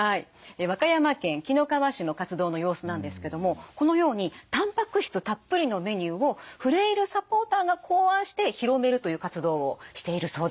和歌山県紀の川市の活動の様子なんですけどもこのようにたんぱく質たっぷりのメニューをフレイルサポーターが考案して広めるという活動をしているそうです。